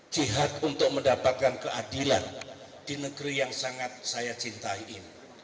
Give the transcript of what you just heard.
jihad untuk mendapatkan keadilan di negeri yang sangat saya cintai ini